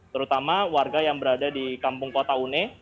terutama warga yang berada di kampung kota une